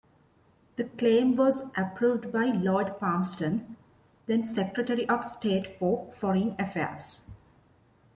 The claim was approved by Lord Palmerston, then Secretary of State for Foreign Affairs.